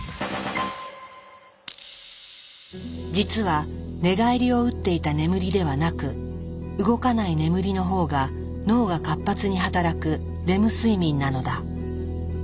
実は寝返りをうっていた眠りではなく動かない眠りの方が脳が活発に働くレム睡眠なのだ。